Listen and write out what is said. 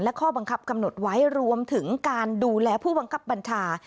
และข้อบังคับกำหนดไว้รวมถึงการดูแลผู้บังคับบัญชา